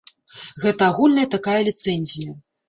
Гэта агульная такая ліцэнзія.